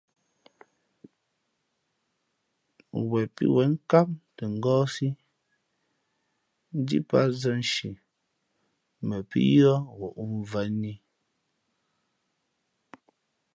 Wen pí wen nkám tα ngάάsí, ndíʼ pat zα nshi mα pǐ yʉ̄ᾱ ghoʼ mvanī.